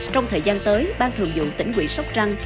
trong thời gian tới ban thường vụ tỉnh quỹ sóc trăng